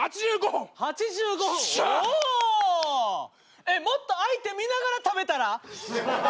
えっもっと相手見ながら食べたら？